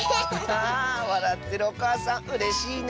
わらってるおかあさんうれしいね！